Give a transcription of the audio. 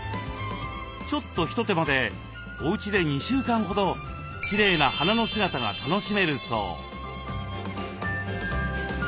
ちょっと一手間でおうちで２週間ほどきれいな花の姿が楽しめるそう。